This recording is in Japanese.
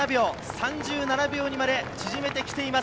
３７秒にまで縮めてきています。